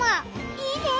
いいね！